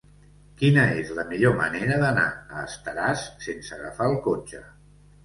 Quina és la millor manera d'anar a Estaràs sense agafar el cotxe?